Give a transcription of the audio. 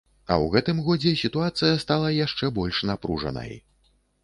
А ў гэтым годзе сітуацыя стала яшчэ больш напружанай.